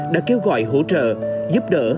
đã kêu gọi hỗ trợ giúp đỡ